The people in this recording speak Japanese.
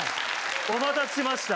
お待たせしました。